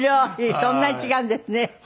そんなに違うんですね。